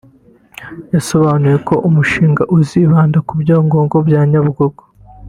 yasobanuye ko umushinga uzibanda ku byogogo bya Nyabugogo